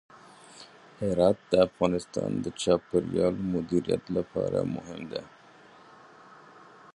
هرات د افغانستان د چاپیریال د مدیریت لپاره مهم دی.